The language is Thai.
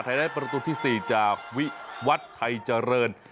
ไทยได้ประตูที่๔จากวิวัฒน์ไทยเจอร์เริน